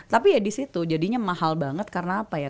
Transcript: tapi ya di situ jadinya mahal banget karena apa ya